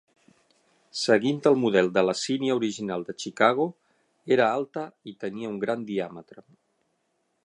Seguint el model de la sínia original de Chicago, era alta i tenia un gran diàmetre.